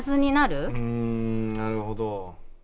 うんなるほど。